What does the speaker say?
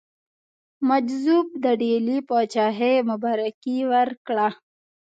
مجذوب د ډهلي پاچهي مبارکي ورکړه.